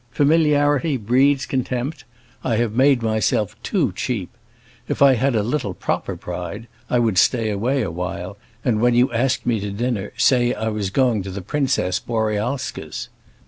Familiarity breeds contempt; I have made myself too cheap. If I had a little proper pride I would stay away a while, and when you asked me to dinner say I was going to the Princess Borealska's.